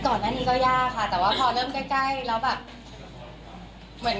ก่อนหน้านี้ก็ยากค่ะแต่ว่าพอเริ่มใกล้แล้วแบบเหมือน